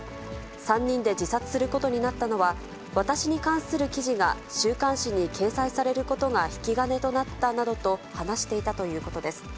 ３人で自殺することになったのは、私に関する記事が週刊誌に掲載されることが引き金となったなどと話していたということです。